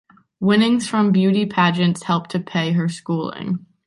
Winnings from beauty pageants helped to pay her schooling.